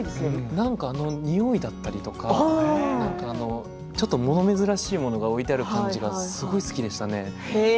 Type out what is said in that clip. なんか匂いだったりちょっともの珍しいものが置いてある感じがすごく好きでしたね。